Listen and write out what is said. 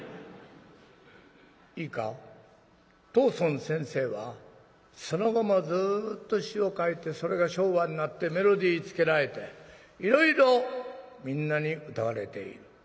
いいか藤村先生はその後もずっと詩を書いてそれが昭和になってメロディーつけられていろいろみんなに歌われている。